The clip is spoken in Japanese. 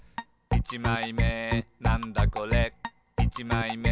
いちまいめなんだこれ？」